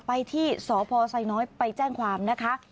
ไปที่สพไซน้อยไปแจ้งความนะคะ